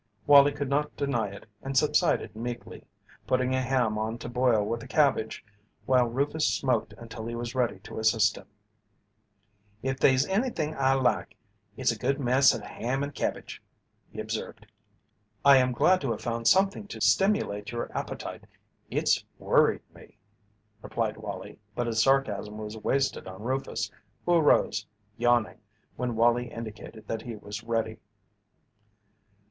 Wallie could not deny it and subsided meekly, putting a ham on to boil with a cabbage while Rufus smoked until he was ready to assist him. "If they's anything I like it's a good mess of ham and cabbage," he observed. "I am glad to have found something to stimulate your appetite it's worried me," replied Wallie. But his sarcasm was wasted on Rufus who arose, yawning, when Wallie indicated that he was ready.